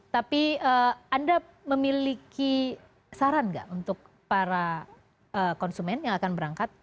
tapi anda memiliki saran nggak untuk para konsumen yang akan berangkat